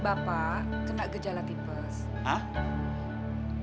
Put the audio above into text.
bapak kena gejala tipes